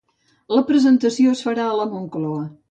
La presentació es farà a la Moncloa